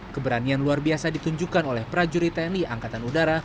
keberanian luar biasa ditunjukkan oleh prajurit tni angkatan udara